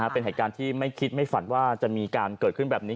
เป็นเหตุการณ์ที่ไม่คิดไม่ฝันว่าจะมีการเกิดขึ้นแบบนี้